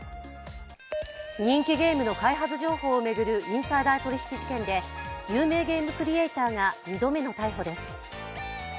人気ゲームの開発情報を巡るインサイダー取引事件で有名ゲームクリエイターが２度目の逮捕です。